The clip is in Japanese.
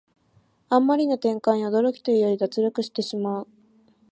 あんまりな展開に驚きというより脱力してしまう